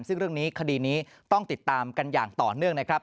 ซึ่งเรื่องนี้คดีนี้ต้องติดตามกันอย่างต่อเนื่องนะครับ